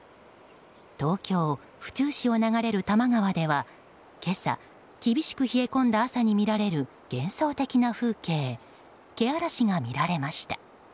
東京・府中市を流れる多摩川では今朝厳しく冷え込んだ朝に見られる幻想的な風景、けあらしが見られました。